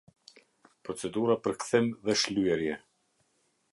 Procedura për kthim dhe shlyerje.